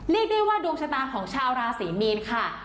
เรียกได้ว่าดวงชะตาของชาวราศรีมีนค่ะ